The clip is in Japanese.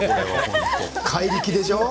怪力でしょう？